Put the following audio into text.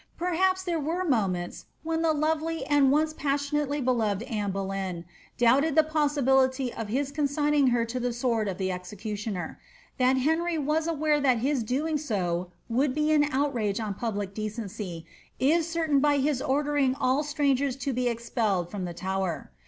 Perhaps there were moments when the lovely and once passionately beloved Anne Bolejm doubted the possibility of his consigning her to the sword of the execo* tioner; that Henry was aware that his doing so would be an outrage oo public decency is certain by his ordering all strangera to be expelled ^ from the Tower.